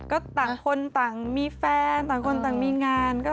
ก็ต่างคนต่างมีแฟนต่างคนต่างมีงาน